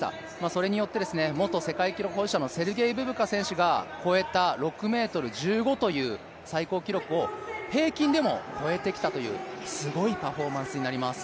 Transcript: それによって元世界記録保持者のセルゲイ・ブブカ選手が越えた６ｍ１５という最高記録を平均でも超えてきたというすごいパフォーマンスになります。